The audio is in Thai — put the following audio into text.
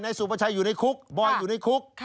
สุประชัยอยู่ในคุกบอยอยู่ในคุก